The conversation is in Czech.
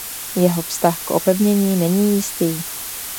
Jeho vztah k opevnění není jistý.